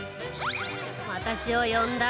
私を呼んだ？